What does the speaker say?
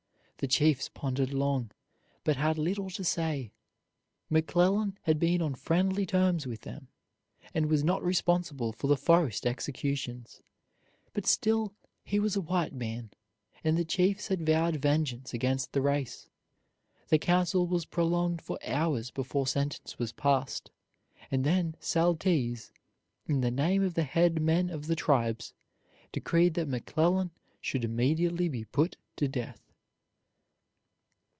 The chiefs pondered long, but had little to say. McClellan had been on friendly terms with them, and was not responsible for the forest executions, but still, he was a white man, and the chiefs had vowed vengeance against the race. The council was prolonged for hours before sentence was passed, and then Saltese, in the name of the head men of the tribes, decreed that McClellan should immediately be put to death.